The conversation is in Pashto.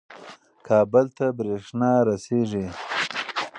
کابل ته برېښنا رسیږي.